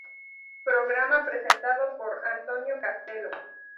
Programa presentado por Antonio Castelo.